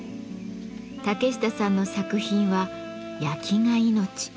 竹下さんの作品は焼きが命。